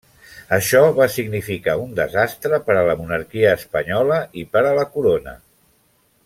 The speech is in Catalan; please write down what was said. Això va significar un desastre per a la Monarquia espanyola i per a la corona.